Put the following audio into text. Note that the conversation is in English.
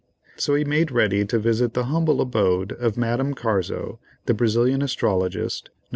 So he made ready to visit the humble abode of MADAME CARZO, THE BRAZILIAN ASTROLOGIST, _No.